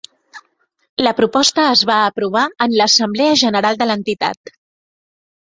La proposta es va aprovar en l'assemblea general de l'entitat